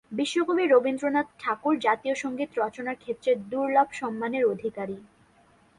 বিশ্বকবি রবীন্দ্রনাথ ঠাকুর জাতীয় সঙ্গীত রচনার ক্ষেত্রে দুর্লভ সম্মানের অধিকারী।